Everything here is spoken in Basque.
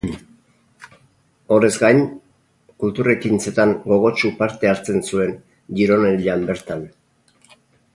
Horrez gain, kultur ekintzetan gogotsu parte hartzen zuen Gironellan bertan.